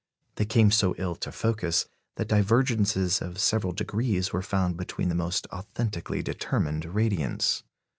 They came so ill to focus that divergences of several degrees were found between the most authentically determined radiants.